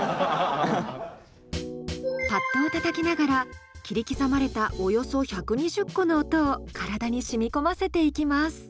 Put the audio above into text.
パッドをたたきながら切り刻まれたおよそ１２０個の音を体にしみこませていきます。